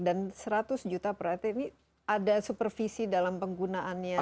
dan seratus juta per rt ini ada supervisi dalam penggunaannya